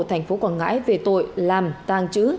thành phố quảng ngãi về tội làm tàng trữ